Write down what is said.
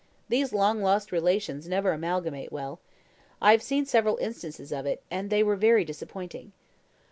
These long lost relations never amalgamate well. I have seen several instances of it, and they were very disappointing."